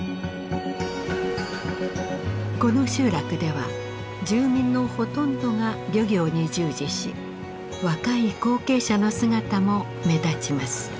この集落では住民のほとんどが漁業に従事し若い後継者の姿も目立ちます。